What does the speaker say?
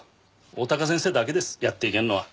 大鷹先生だけですやっていけるのは。